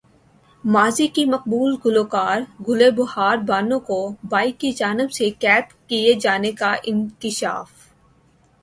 ماضی کی مقبول گلوکارہ گل بہار بانو کو بھائی کی جانب سے قید کیے جانے کا انکشاف